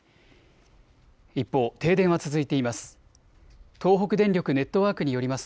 一方、停電は続いています。